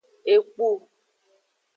Ekpu.